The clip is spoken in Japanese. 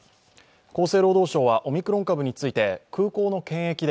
厚生労働省はオミクロン株について空港の検疫で